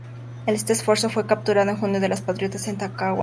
Este refuerzo fue capturado en junio por los patriotas en Talcahuano.